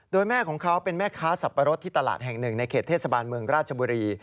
โดยแม่ของเขาเป็นแม่ค้าสับปะรดที่ตลาดแห่งหนึ่งในเขตเทศบาลเมืองราชบุรี